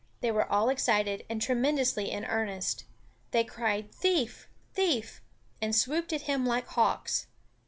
They were all excited and tremendously in earnest. They cried thief! thief! and swooped at him like hawks.